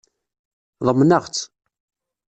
Ḍemneɣ-tt.